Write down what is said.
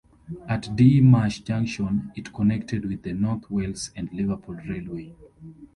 At Dee Marsh Junction it connected with the North Wales and Liverpool Railway.